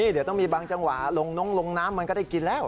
เดี๋ยวต้องมีบางจังหวะลงน้องลงน้ำมันก็ได้กินแล้ว